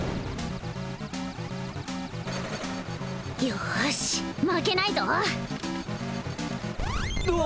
よし負けないぞおお！